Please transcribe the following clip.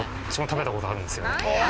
食べたことあるんですよ